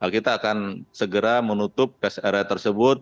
kita akan segera menutup rest area tersebut